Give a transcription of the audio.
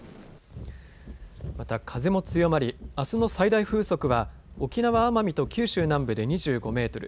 また風も強まりあすの最大風速は沖縄・奄美と九州南部で２５メートル